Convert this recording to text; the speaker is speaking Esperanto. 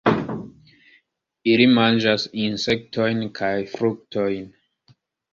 Ili manĝas insektojn kaj fruktojn.